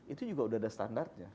itu juga sudah ada standarnya